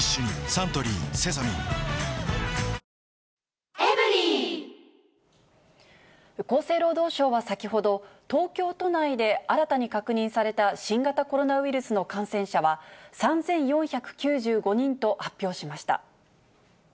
サントリー「セサミン」厚生労働省は先ほど、東京都内で新たに確認された新型コロナウイルスの感染者は、３４９５人と発表しました。